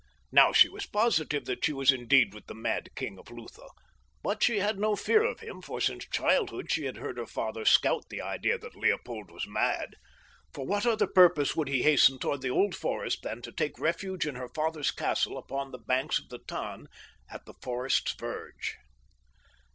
Now she was positive that she was indeed with the mad king of Lutha, but she had no fear of him, for since childhood she had heard her father scout the idea that Leopold was mad. For what other purpose would he hasten toward the Old Forest than to take refuge in her father's castle upon the banks of the Tann at the forest's verge?